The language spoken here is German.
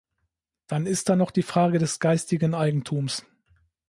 Dann ist da noch die Frage des geistigen Eigentums.